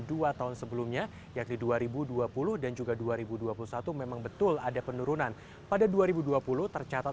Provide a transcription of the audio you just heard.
dua tahun sebelumnya yakni dua ribu dua puluh dan juga dua ribu dua puluh satu memang betul ada penurunan pada dua ribu dua puluh tercatat